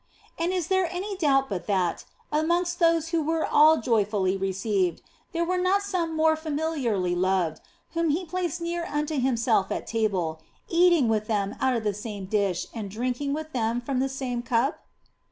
And is there any doubt but that, amongst those who were all joyfully received, there were not some more familiarly loved, whom he placed near unto himself at table, eating with them out of the same dish and drinking with them from the same cup